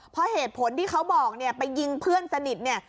เพราะเหตุผลที่เขาบอกเนี่ยไปยิงเพื่อนสนิทเนี่ย